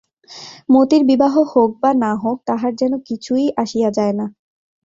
মতির বিবাহ হোক বা না হোক তাহার যেন কিছুই আসিয়া যায় না।